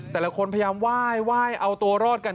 แต่ละคนพยายามไหว้เอาตัวรอดกัน